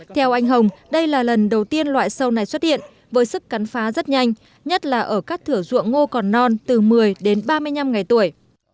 theo anh hồng đây là lần đầu tiên loại sâu này xuất hiện với sức cắn phá rất nhanh nhất là ở các thửa ruộng ngô còn non từ một mươi đến ba mươi năm ngày tuổi